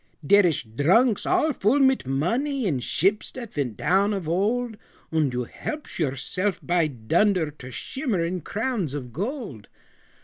"Dere ish drunks all full mit money In ships dat vent down of old; Und you helpsh yourself, by dunder! To shimmerin crowns of gold.